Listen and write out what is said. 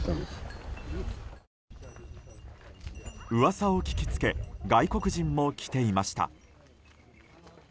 噂を聞きつけ外国人も来ていました。